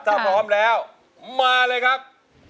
ถ้าพร้อมแล้วมาเลยครับ